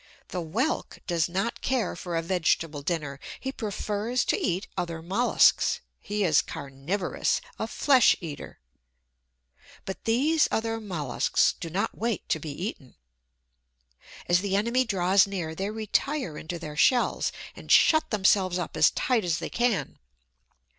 The Whelk does not care for a vegetable dinner. He prefers to eat other molluscs he is carnivorous, a flesh eater; but these other molluscs do not wait to be eaten. As the enemy draws near they retire into their shells, and shut themselves up as tight as they can.